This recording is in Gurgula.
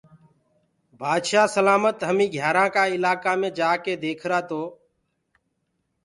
بآدشآه سلآمت هميٚنٚ گھيآرآنٚ ڪآ الآڪآ مي جآڪي ديکرآ تو